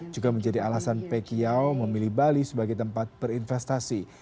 juga menjadi alasan pkiau memilih bali sebagai tempat berinvestasi